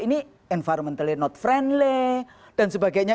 ini environmentally not friendly dan sebagainya